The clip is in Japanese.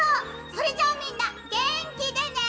それじゃみんなげんきでね！